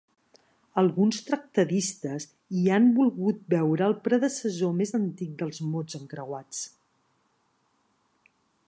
Alguns tractadistes hi han volgut veure el predecessor més antic dels mots encreuats.